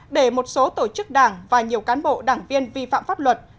để một số tổ chức đảng và nhiều cán bộ đảng viên vi phạm pháp luật